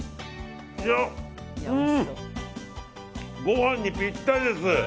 ご飯にぴったりです。